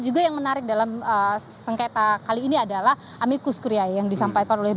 yang paling menarik dalam sengketa kali ini adalah amicus curiae yang disampaikan oleh